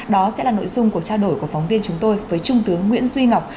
đó sẽ là nội dung cuộc trao đổi của phóng viên chúng tôi với trung tướng nguyễn duy ngọc